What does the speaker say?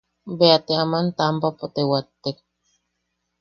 Bea te aman taampapo te wattek.